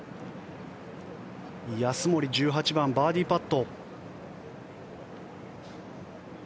安森の１８番、バーディーパット。